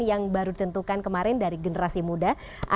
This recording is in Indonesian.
yang baru ditentukan kemarin dari generasi muda